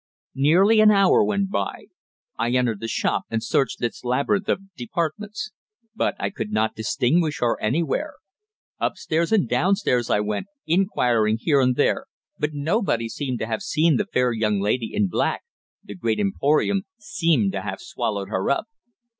Nearly an hour went by; I entered the shop and searched its labyrinth of "departments." But I could not distinguish her anywhere. Upstairs and downstairs I went, inquiring here and there, but nobody seemed to have seen the fair young lady in black; the great emporium seemed to have swallowed her up.